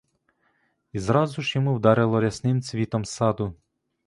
І зразу ж йому вдарило рясним цвітом саду.